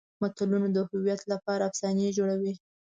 ملتونه د هویت لپاره افسانې جوړوي.